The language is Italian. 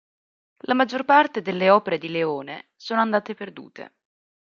La maggior parte delle opere di Leone sono andate perdute.